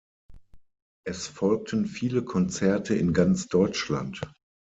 Es folgten viele Konzerte in ganz Deutschland.